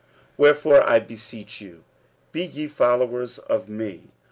46:004:016 Wherefore I beseech you, be ye followers of me.